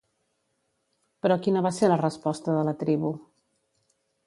Però, quina va ser la resposta de la tribu?